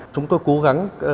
chúng tôi cố gắng